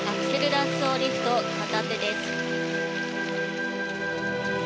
ラッソーリフト片手です。